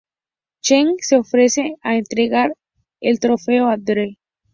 Cheng se ofrece a entregar el trofeo a Dre.